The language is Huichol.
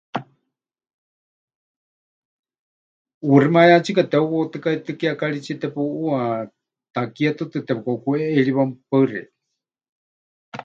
ʼUuximayátsika teheuwautɨkaitɨ́ kiekaritsie tepuʼuuwa, takie tɨtɨ tepɨkaʼukuʼeʼeiriwa. Mɨpaɨ xeikɨ́a.